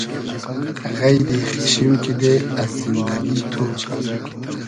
غݷدی خیچشیم کیدې از زیندئگی تو